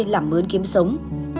làm mướn kiếm sống